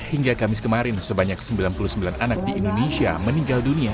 hingga kamis kemarin sebanyak sembilan puluh sembilan anak di indonesia meninggal dunia